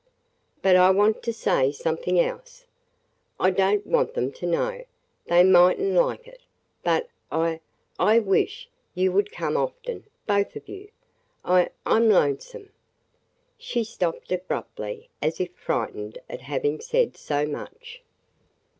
"But I want to say something else. I don't want them to know – they might n't like it, but – I – I wish you would come often – both of you. I – I 'm lonesome!" She stopped abruptly as if frightened at having said so much.